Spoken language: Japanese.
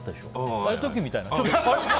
ああいう時みたいな。